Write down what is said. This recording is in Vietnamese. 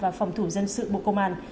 và phòng thủ dân sự bộ công an